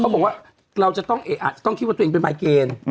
บอกว่าเราจะต้องคิดว่าตัวเองเป็นไมเกณฑ์